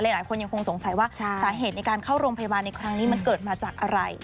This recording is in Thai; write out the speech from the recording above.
หลายคนยังคงสงสัยว่าสาเหตุในการเข้าโรงพยาบาลในครั้งนี้มันเกิดมาจากอะไร